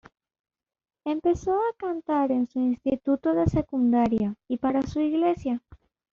Empezó a cantar en su instituto de secundaria y para su iglesia.